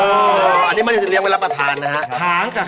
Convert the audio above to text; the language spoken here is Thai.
อ๋ออันนี้มันเป็นสินเลี้ยงเวลาประทานนะครับ